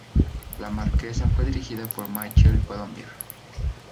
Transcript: La orquesta fue dirigida por Michel Colombier.